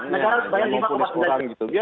negara bayar rp lima empat puluh sembilan juta